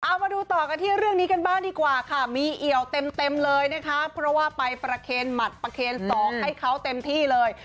เอามาดูต่อกันที่เรื่องนี้กันบ้างดีกว่าค่ะมีเอี่ยวเต็มเลยนะคะเพราะว่าไปประเคนหมัดประเคนสองให้เขาเต็มที่เลย